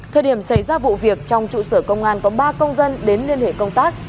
thời điểm xảy ra vụ việc trong trụ sở công an có ba công dân đến liên hệ công tác